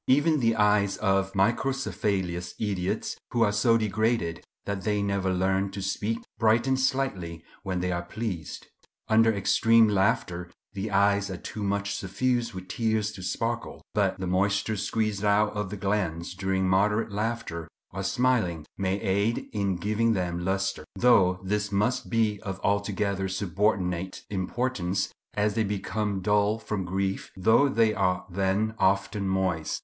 Even the eyes of microcephalous idiots, who are so degraded that they never learn to speak, brighten slightly when they are pleased. Under extreme laughter the eyes are too much suffused with tears to sparkle; but the moisture squeezed out of the glands during moderate laughter or smiling may aid in giving them lustre; though this must be of altogether subordinate importance, as they become dull from grief, though they are then often moist.